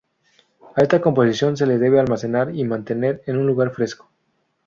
A esta composición se la debe almacenar y mantener en un lugar fresco.